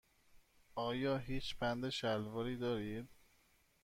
آیا هیچ بند شلواری دارید؟